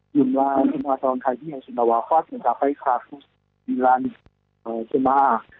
cumbang haji yang sudah wafat mencapai satu ratus sembilan jemaah